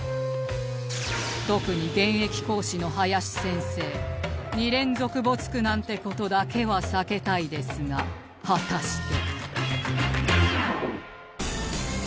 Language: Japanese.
特に現役講師の林先生２連続没句なんて事だけは避けたいですが果たして